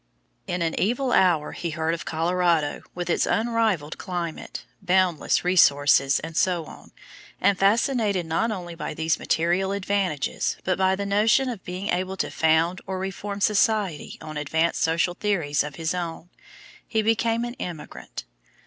In an evil hour he heard of Colorado with its "unrivalled climate, boundless resources," etc., and, fascinated not only by these material advantages, but by the notion of being able to found or reform society on advanced social theories of his own, he became an emigrant.